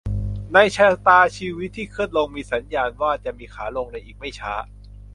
ในชะตาชีวิตที่ขึ้นลงมีสัญญาณว่าจะมีขาลงในอีกไม่ช้า